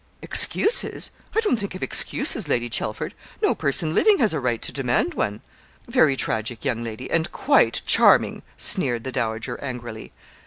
'Excuses! I don't think of excuses, Lady Chelford; no person living has a right to demand one.' 'Very tragic, young lady, and quite charming!' sneered the dowager angrily.